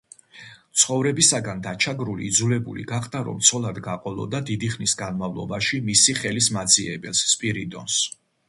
ცხოვრებისაგან დაჩაგრული, იძულებული გახდა, რომ ცოლად გაყოლოდა დიდი ხნის განმავლობაში მისი ხელის მაძიებელს—სპირიდონს.